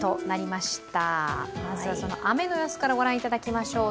まずは雨の様子から御覧いただきましょう。